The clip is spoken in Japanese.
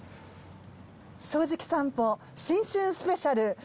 『正直さんぽ』新春スペシャル。